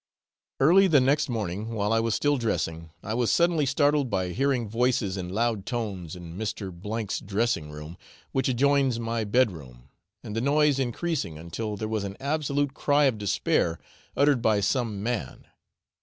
Early the next morning, while I was still dressing, I was suddenly startled by hearing voices in loud tones in Mr. 's dressing room, which adjoins my bed room, and the noise increasing until there was an absolute cry of despair uttered by some man.